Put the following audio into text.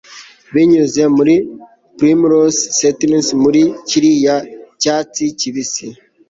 Binyuze muri primrose tufts muri kiriya cyatsi kibisi